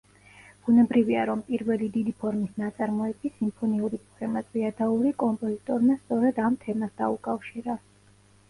ბუნებრივია, რომ პირველი დიდი ფორმის ნაწარმოები, სიმფონიური პოემა „ზვიადაური“ კომპოზიტორმა სწორედ ამ თემას დაუკავშირა.